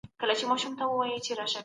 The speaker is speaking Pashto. هغه کتاب چي ما پرون لوستی و، ګټور و.